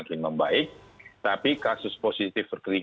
tinggal di dalam list microserial